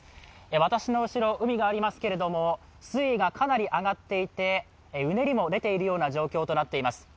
私の後ろ、海がありますけれども、水位がかなり上がっていてうねりも出ている状況となっています。